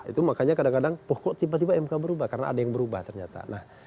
itu makanya kadang kadang pokok tiba tiba mk berubah karena ada yang berubah ternyata